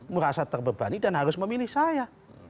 merasa terbebani dan harus memilih saya